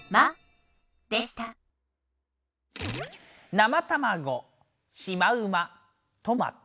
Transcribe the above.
なまたまごしまうまとまと。